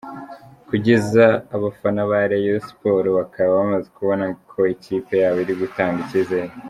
Kugeza abafana ba Rayon Sports bakaba bamaze kubona ko ikipe yabo iri gutanga ikizere .